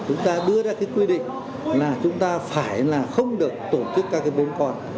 chúng ta đưa ra cái quy định là chúng ta phải là không được tổ chức các cái bống con